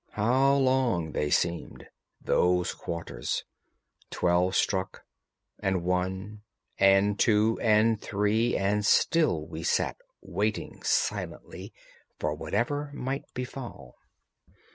How long they seemed, those quarters! Twelve struck, and one and two and three, and still we sat waiting silently for whatever might befall.